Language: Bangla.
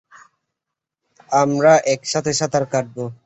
আমরা একসাথে সাঁতার কাটবো।